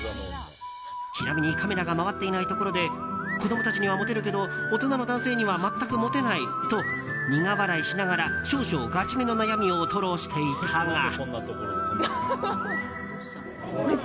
ちなみにカメラが回っていないところで子供たちにはモテるけど大人の男性には全くモテないと苦笑いしながら、少々ガチめの悩みを吐露していたが。